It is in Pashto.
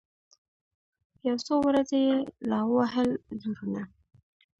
یو څو ورځي یې لا ووهل زورونه